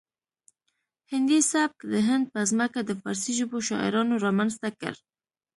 هندي سبک د هند په ځمکه د فارسي ژبو شاعرانو رامنځته کړ